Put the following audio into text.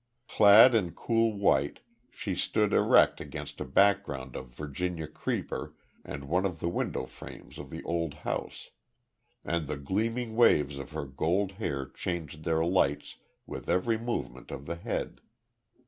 Clad in cool white, she stood erect against a background of Virginia creeper and one of the window frames of the old house; and the gleaming waves of her gold hair changed their lights with every movement of the head.